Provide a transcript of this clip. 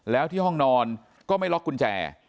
แล้วที่ห้องนอนก็ไม่ล็อกกุญแจ